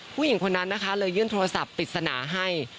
ผู้หญิงคนนั้นนะคะเลยยื่นโทรศัพท์ปริศนาให้